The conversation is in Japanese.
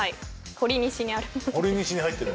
ほりにしに入ってる。